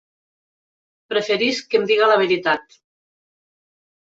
Preferisc que em diga la veritat.